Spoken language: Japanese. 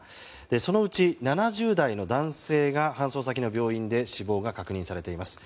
そのうち７０代の男性が搬送先の病院で死亡が確認されています。